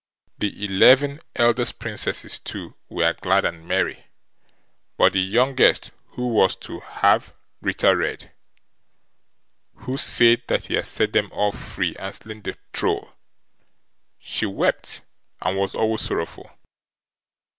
The eleven eldest Princesses too, were glad and merry, but the youngest who was to have Ritter Red, who said that he had set them all free and slain the Troll, she wept and was always sorrowful.